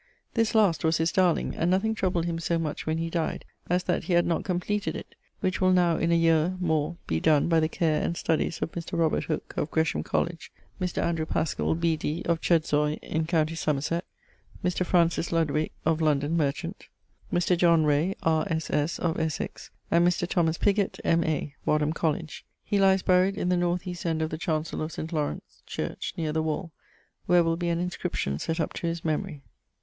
This last was his darling, and nothing troubled him so much when he dyed, as that he had not compleated it; which will now in a yeare more be donne by the care and studies of Mr. Robert Hooke, of Gresham College; Mr. Andrew Paschall, B.D. of Chedzoy, in com. Somerset; Mr. Francis Lodwyck, of London, merchant; Mr. John Ray, R.S.S., of Essex; and Mr. Thomas Pigott, M.A. (Wadham College). He lyes buried in the north east end of the chancell of St. Laurence ... church, neer the wall, where will be an inscription sett up to his memorie.